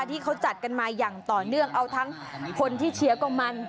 ที่เขาจัดกันมาอย่างต่อเนื่องเอาทั้งคนที่เชียร์ก็มัน